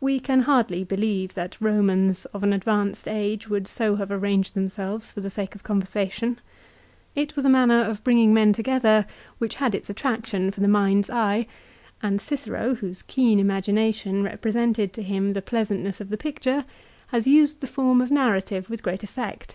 We can hardly believe that Romans of an advanced age would so have arranged themselves for the sake of conversation. It was a manner of bringing men together which had its attraction for the mind's eye; and Cicero, whose keen imagination represented to him the pleasantness of the picture, has used the form of narrative with great effect.